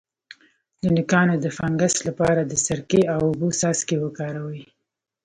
د نوکانو د فنګس لپاره د سرکې او اوبو څاڅکي وکاروئ